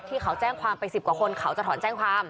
ที่เขาแจ้งความไป๑๐กว่าคนเขาจะถอนแจ้งความ